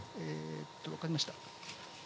分かりました。